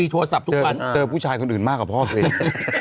โทรศัพท์ทุกวันเจอผู้ชายคนอื่นมากกว่าพ่อตัวเอง